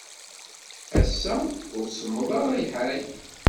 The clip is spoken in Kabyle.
Ass-a, ur semmeḍ ara lḥal.